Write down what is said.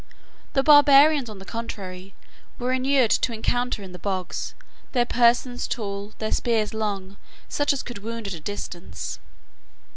The barbarians, on the contrary, were inured to encounter in the bogs, their persons tall, their spears long, such as could wound at a distance."